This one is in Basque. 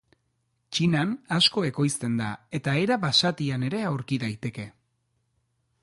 Txinan asko ekoizten da eta era basatian ere aurki daiteke.